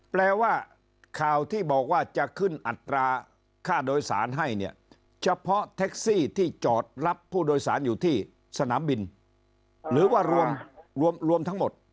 แปลว่าข่าวที่บอกว่าจะขึ้นอัตราค่าโดยสารให้เนี่ยเฉพาะแท็กซี่ที่จอดรับผู้โดยสารอยู่ที่สนามบินหรือว่ารวมรวมทั้งหมด